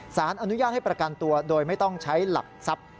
สารอนุญาตให้ประกันตัวโดยไม่ต้องใช้หลักทรัพย์